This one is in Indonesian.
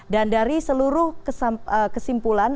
dan dari seluruh kesimpulan